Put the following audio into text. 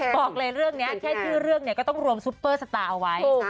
บอกเลยเรื่องนี้แค่ชื่อเรื่องเนี่ยก็ต้องรวมซุปเปอร์สตาร์เอาไว้